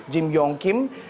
jim yong kim